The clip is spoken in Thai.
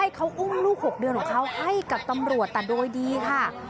เขาอุ้มลูก๖เดือนของเขาให้กับตำรวจแต่โดยดีค่ะ